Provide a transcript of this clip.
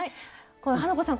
花子さん